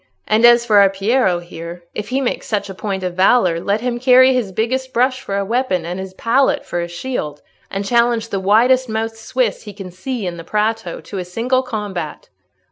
And as for our Piero here, if he makes such a point of valour, let him carry his biggest brush for a weapon and his palette for a shield, and challenge the widest mouthed Swiss he can see in the Prato to a single combat."